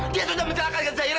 dia sudah mencelakai zahira